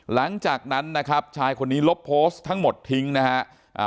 หลังจากนั้นนะครับชายคนนี้ลบโพสต์ทั้งหมดทิ้งนะฮะอ่า